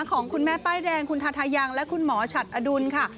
ของคุณแม่ป้ายแดงคุณทาทายังและคุณหมอฉัดอดุลค่ะ